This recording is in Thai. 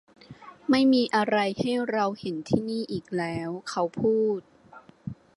ไม่มีอะไรให้เราเห็นที่นี่อีกแล้วเขาพูด